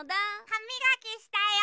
はみがきしたよ。